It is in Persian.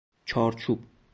چارچوب